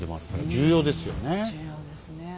重要ですね。